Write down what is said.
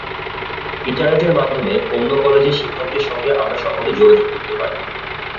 ইন্টারনেটের মাধ্যমে অন্য কলেজের শিক্ষকদের সঙ্গে আমরা সহজে যোগাযোগ করতে পারি।